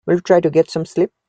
Will you try to get some sleep?